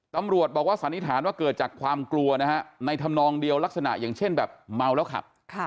ตำรวจบอกว่าสันนิษฐานว่าเกิดจากความกลัวนะฮะในธรรมนองเดียวลักษณะอย่างเช่นแบบเมาแล้วขับ